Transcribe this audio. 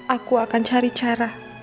aku akan cari cara